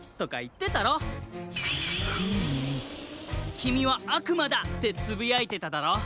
「きみはあくまだ！」ってつぶやいてただろ？